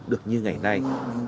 được như ngày nay